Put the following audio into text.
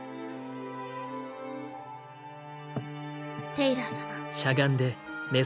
テイラー様。